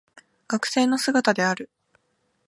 学生の姿である